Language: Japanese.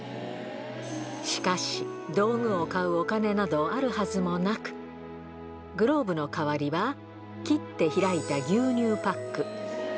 しかし、道具を買うお金などあるはずもなく、グローブの代わりは、切って開いた牛乳パック。